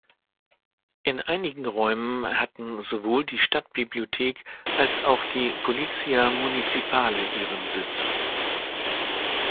In einigen Räumen hatten sowohl die Stadtbibliothek als auch die Polizia Municipale ihren Sitz.